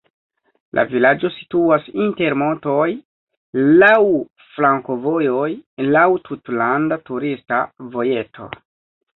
La vilaĝo situas inter montoj, laŭ flankovojoj, laŭ tutlanda turista vojeto.